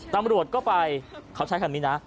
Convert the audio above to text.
ตำรวจก็ไปเขาใช้คำนี้นะ